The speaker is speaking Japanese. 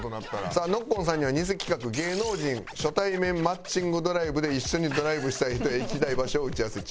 さあノッコンさんにはニセ企画「芸能人初対面マッチングドライブ」で一緒にドライブしたい人や行きたい場所を打ち合わせ中。